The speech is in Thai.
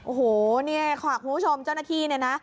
โอ้โหขวากมุ้วชมเจ้าหน้าที่นะ